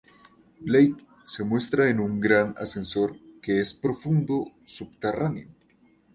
Blake se muestra en un gran ascensor que es profundo subterráneo.